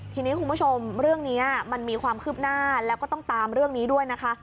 ทีนี้คุณผู้ชมเรื่องนี้มันมีความคืบหน้าแล้วก็ต้องตามเรื่องนี้ด้วยนะคะ